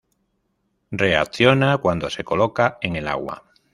Reacciona cuando se coloca en el agua.